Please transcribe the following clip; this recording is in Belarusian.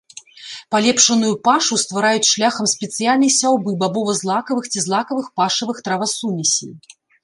Палепшаную пашу ствараюць шляхам спецыяльнай сяўбы бабова-злакавых ці злакавых пашавых травасумесей.